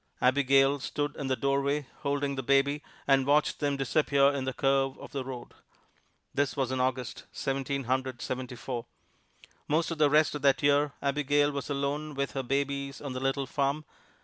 Abigail stood in the doorway holding the baby, and watched them disappear in the curve of the road. This was in August, Seventeen Hundred Seventy four. Most of the rest of that year Abigail was alone with her babies on the little farm.